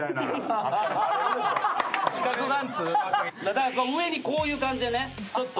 だから上にこういう感じでねちょっと。